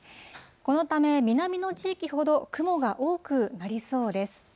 このため、南の地域ほど雲が多くなりそうです。